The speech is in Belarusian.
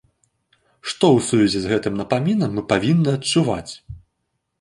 Што ў сувязі з гэтым напамінам мы павінны адчуваць?